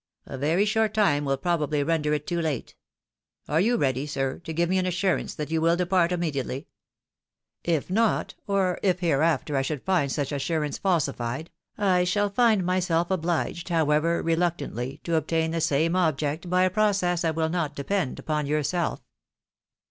A very short time will probably render it too late. Are you ready, sir, to give me an assurance that you wiU depart immediately ? If not, or if hereafter I should find such assurance falsified, I shall feel myseK obliged, however reluctantly, to obtain the same object by a process that will not depend upon yourself."